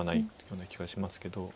そんな気がしますけど。